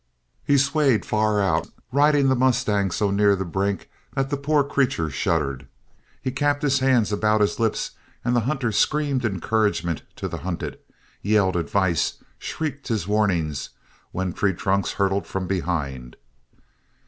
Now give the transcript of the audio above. He swayed far out, riding the mustang so near the brink that the poor creature shuddered. He capped his hands about his lips and the hunter screamed encouragement to the hunted, yelled advice, shrieked his warnings when treetrunks hurtled from behind.